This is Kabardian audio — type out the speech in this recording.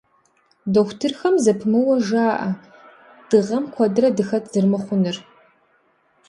Дохутырхэм зэпымыууэ жаӀэ дыгъэм куэдрэ дыхэт зэрымыхъунур.